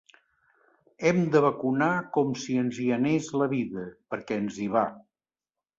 Hem de vacunar com si ens hi anés la vida, perquè ens hi va.